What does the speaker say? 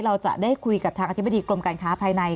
เราจะได้คุยกับทางอธิบดีกรมการค้าภายใน